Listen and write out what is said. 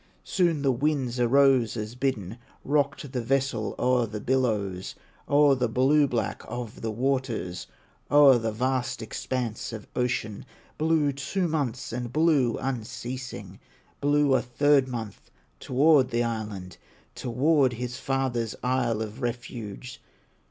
Soon the winds arose as bidden, Rocked the vessel o'er the billows, O'er the blue back of the waters, O'er the vast expanse of ocean; Blew two months and blew unceasing, Blew a third month toward the island, Toward his father's Isle of Refuge.